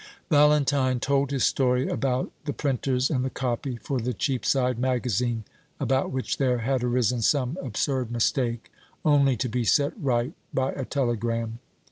Valentine told his story about the printers and the copy for the Cheapside magazine, about which there had arisen some absurd mistake, only to be set right by a telegram.